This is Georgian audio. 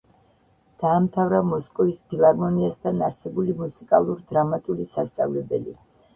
დაამთავრა მოსკოვის ფილარმონიასთან არსებული მუსიკალურ-დრამატული სასწავლებელი.